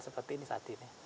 seperti ini saat ini